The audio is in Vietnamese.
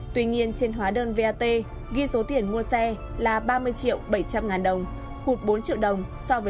tuy nhiên trên hóa đơn vat ghi số tiền mua xe là ba mươi triệu bảy trăm linh ngàn đồng hụt bốn triệu đồng